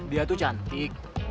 dia tuh cantik